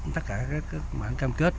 tất cả các bản cam kết